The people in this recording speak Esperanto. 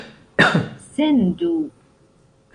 sendu